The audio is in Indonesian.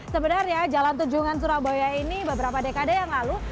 sebenarnya jalan tunjungan surabaya ini beberapa dekade yang lalu